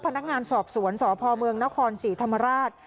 พนักงานสอบสวนสพเมืองนครศรีธรรมราช